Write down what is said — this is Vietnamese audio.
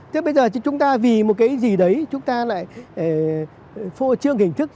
thế bây giờ chúng ta vì một cái gì đấy chúng ta lại phô trương hình thức